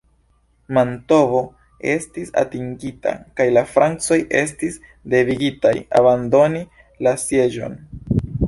Mantovo estis atingita kaj la Francoj estis devigitaj abandoni la sieĝon.